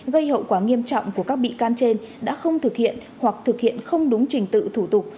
gây hậu quả nghiêm trọng của các bị can trên đã không thực hiện hoặc thực hiện không đúng trình tự thủ tục